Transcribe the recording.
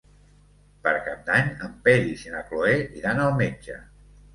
Per Cap d'Any en Peris i na Cloè iran al metge.